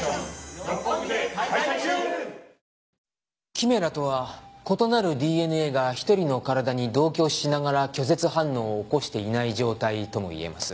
キメラとは異なるＤＮＡが１人の体に同居しながら拒絶反応を起こしていない状態とも言えます。